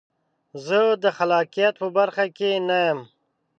زه د خلاقیت په برخه کې نه یم.